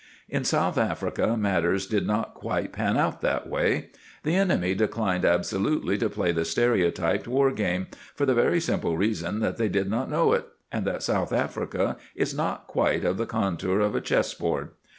In South Africa matters did not quite pan out that way; the enemy declined absolutely to play the stereotyped war game, for the very simple reason that they did not know it, and that South Africa is not quite of the contour of a chess board.